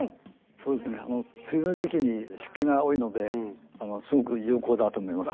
そうですね梅雨の時期に湿気が多いのですごく有効だと思います。